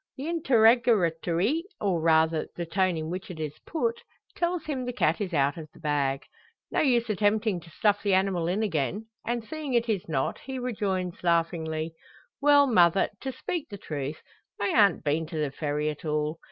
The interrogatory, or rather the tone in which it is put, tells him the cat is out of the bag. No use attempting to stuff the animal in again; and seeing it is not, he rejoins, laughingly "Well, mother, to speak the truth, I ha'nt been to the Ferry at all.